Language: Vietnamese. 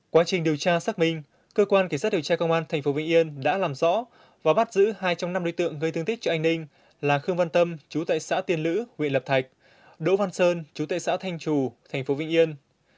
quá trình điều tra xác minh cơ quan kỳ sát điều tra công an tp vĩnh yên đã làm rõ và bắt giữ hai trong năm đối tượng gây thương tích cho anh ninh là khương văn tâm chú tại xã tiên lữ huyện lập thạch đỗ văn sơn chú tệ xã thanh trù thành phố vĩnh yên